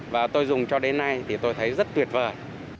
và tôi dùng cho đến nay thì tôi thấy rất tuyệt vời